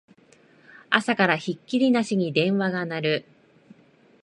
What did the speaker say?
朝からひっきりなしに電話が鳴る